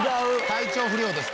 体調不良。